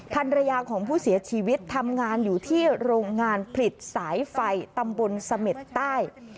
ภรรยาของผู้เสียชีวิตทำงานอยู่ที่โรงงานผลิตสายไฟตำบลเสม็ดใต้